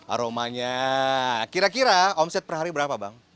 aromanya kira kira omset per hari berapa bang